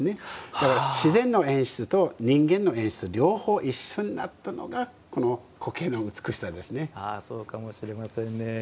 だから、自然の演出と人間の演出両方一緒になったのがそうかもしれませんね。